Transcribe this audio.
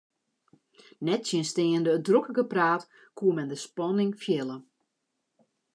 Nettsjinsteande it drokke gepraat koe men de spanning fiele.